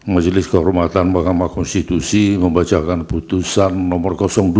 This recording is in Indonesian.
masjidis kehormatan pekan mak konstitusi membacakan putusan nomor dua